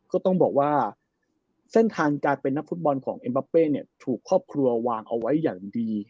ก็ต้องบอกว่าเส้นทางการเป็นนักฟุตบอลของเอ็มบาเป้เนี่ยถูกครอบครัววางเอาไว้อย่างดี